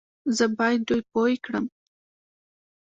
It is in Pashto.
زه بايد دوی پوه کړم